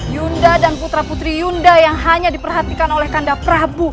yunda dan putra putri yunda yang hanya diperhatikan oleh kanda prabu